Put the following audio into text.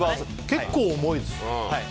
結構重いです。